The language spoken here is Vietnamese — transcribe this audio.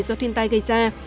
do thiên tai gây ra